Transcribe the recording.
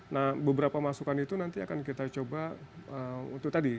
nah beberapa masukan itu nanti akan kita coba untuk tadi